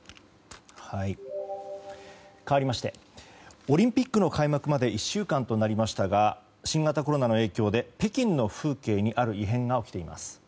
かわりましてオリンピックの開幕まで１週間となりましたが新型コロナの影響で北京の風景にある異変が起きています。